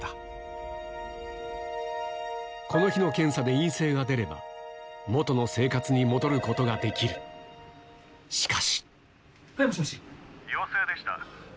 この日の検査で陰性が出れば元の生活に戻ることができるしかしはいもしもし。